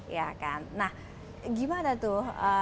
ya kan nah gimana tuh